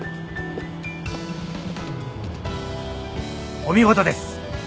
お見事です。